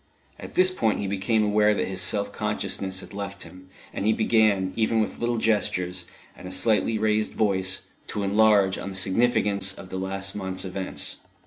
At this point he became aware that his self consciousness had left him, and he began, even with little gestures, and a slightly raised voice, to enlarge on the significance of the last month's events.